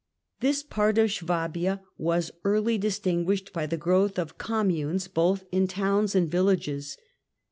This part of Swabia was early distinguished by the growth of communes both in towns and villages.